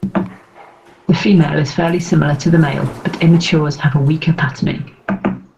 The female is fairly similar to the male, but immatures have a weaker patterning.